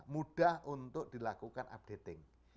mudah untuk dilakukan updating